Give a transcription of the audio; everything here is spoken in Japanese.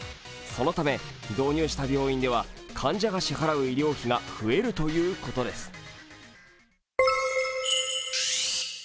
そのため、導入した病院では患者が支払う医療費が増えるということです。